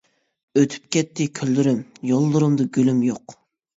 ئۆتۈپ كەتتى كۈنلىرىم، يوللىرىمدا گۈلۈم يوق.